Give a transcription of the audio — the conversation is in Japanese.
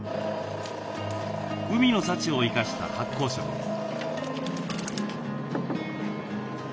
海の幸を生かした発酵食です。